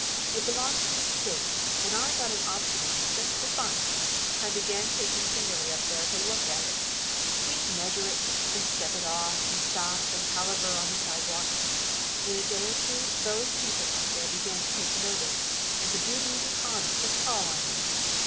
It belonged to an estate, and I got an option on it just for fun. I began taking Singerly up there to look at it. We'd measure it, and step it off, and stop and palaver on the sidewalk. In a day or two those people up there began to take notice and to do me the honor to call on me.